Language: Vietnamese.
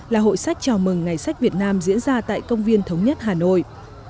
là hội sách chào mừng ngày sách việt nam diễn ra tại công viên thống nhất hà nội